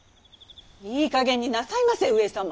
いいかげんになさいませ上様！